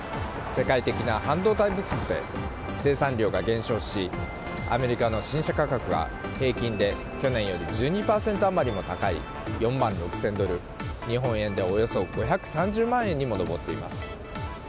世界的な半導体不足で生産量が減少しアメリカの新車価格は平均で去年より１２％余りも高い４万６０００ドル日本円でおよそ５３０万円にも上っています。